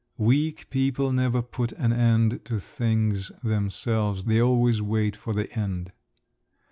Weak people never put an end to things themselves—they always wait for the end.